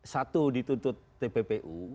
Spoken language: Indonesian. satu dituntut tppu